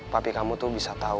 pati kamu tuh bisa tahu